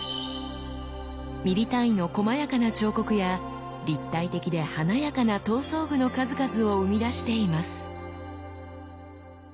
ミリ単位のこまやかな彫刻や立体的で華やかな刀装具の数々を生み出しています。